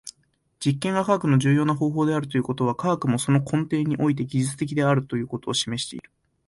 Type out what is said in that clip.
実験が科学の重要な方法であるということは、科学もその根底において技術的であることを示している。